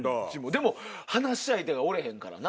でも話し相手がおれへんからな。